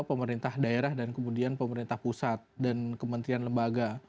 pemerintah daerah dan kemudian pemerintah pusat dan kementerian lembaga